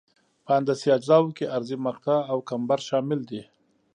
په هندسي اجزاوو کې عرضي مقطع او کمبر شامل دي